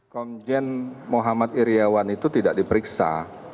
komjen muhammad iryawan itu tidak diperiksa